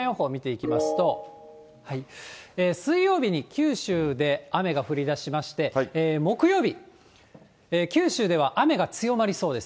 今週後半が雨ということで、週間予報見ていきますと、水曜日に九州で雨が降りだしまして、木曜日、九州では雨が強まりそうです。